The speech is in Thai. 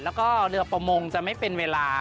แล้วก็เรือประมงจะไม่เป็นเวลา